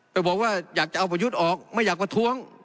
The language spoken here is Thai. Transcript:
ไปบอกว่าอยากจะเอาประยุทธ์ออกไม่อยากประท้วง